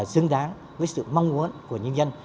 xứng đáng với sự mong muốn của nhân dân